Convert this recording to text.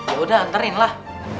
yaudah anterin lah